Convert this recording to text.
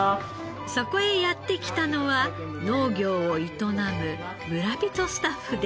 そこへやって来たのは農業を営む村人スタッフです。